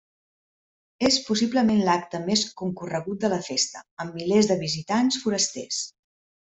És possiblement l'acte més concorregut de la festa, amb milers de visitants forasters.